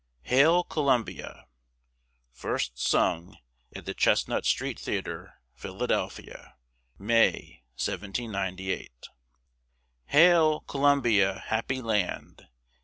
HAIL COLUMBIA [First sung at the Chestnut Street Theatre, Philadelphia, May, 1798] Hail! Columbia, happy land!